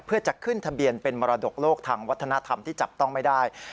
เพื่อจะขึ้นทะเบียนเป็นมรดกโลกทางวัฒนธรรมที่จับต้องไม่ได้